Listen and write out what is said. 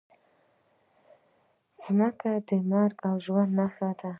مځکه د مرګ او ژوند نښه ده.